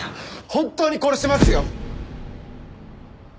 本当に殺しますよ？早く。